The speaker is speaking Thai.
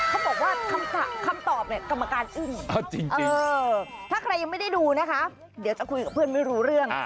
เขาบอกว่าคำตอบเนี่ยกรรมการอึ้งถ้าใครยังไม่ได้ดูนะคะเดี๋ยวจะคุยกับเพื่อนไม่รู้เรื่อง